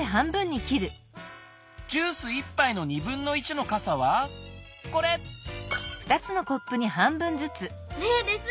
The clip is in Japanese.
ジュース１ぱいののかさはこれ！ねぇレス。